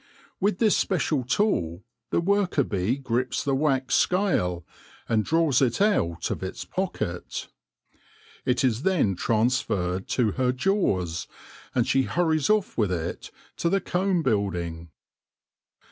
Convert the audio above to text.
With this special tool the worker bee grips the wax scale, and draws it out of its pocket. It is then transferred to her jaws, and she hurries off with it to the comb building.